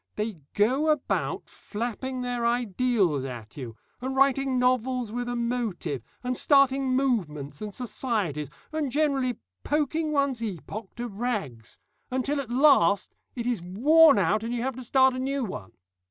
They go about flapping their ideals at you, and writing novels with a motive, and starting movements and societies, and generally poking one's epoch to rags, until at last it is worn out and you have to start a new one.